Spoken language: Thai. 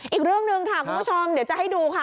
อีกเรื่องหนึ่งค่ะคุณผู้ชมเดี๋ยวจะให้ดูค่ะ